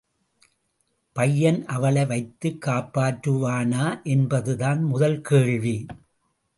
பையன் அவளை வைத்துக் காப்பாற்றுவானா என்பதுதான் முதல் கேள்வி.